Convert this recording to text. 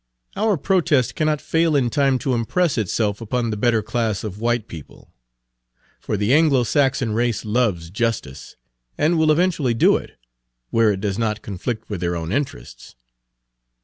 Our protest cannot fail in time to impress itself upon the better class of white people; for the Anglo Saxon race loves justice, and will eventually do it, where it does not conflict with their own interests."